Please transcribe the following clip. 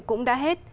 cũng đã hết